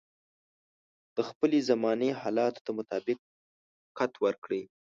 د خپلې زمانې حالاتو ته مطابقت ورکړي.